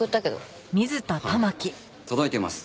ああ届いてます。